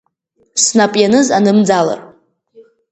Снап ианыз анымӡалар…